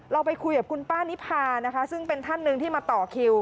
เราไปคุยกับคุณป้านิพานะคะซึ่งเป็นท่านหนึ่งที่มาต่อคิว